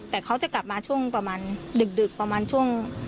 แต่เขาจะกลับมาช่วงประมาณดึกประมาณช่วง